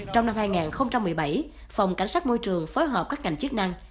trong năm hai nghìn một mươi bảy phòng cảnh sát môi trường phối hợp các ngành chức năng